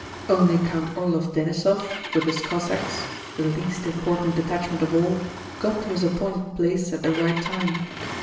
Only Count Orlóv Denísov with his Cossacks (the least important detachment of all) got to his appointed place at the right time.